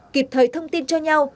kịp thời thông tin cho nhau